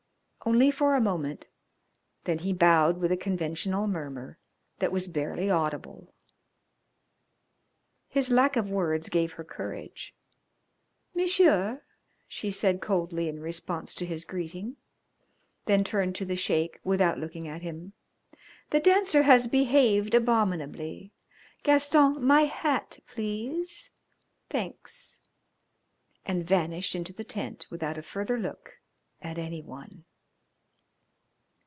Only for a moment, then he bowed with a conventional murmur that was barely audible. His lack of words gave her courage. "Monsieur," she said coldly in response to his greeting, then turned to the Sheik without looking at him. "The Dancer has behaved abominably. Gaston, my hat, please! Thanks." And vanished into the tent without a further look at any one.